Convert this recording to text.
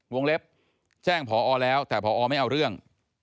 วงเล็บแจ้งพอแล้วแต่พอไม่เอาเรื่อง